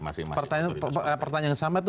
masing masing pertanyaan yang sama itu